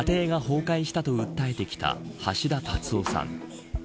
家庭が崩壊したと訴えてきた橋田達夫さん。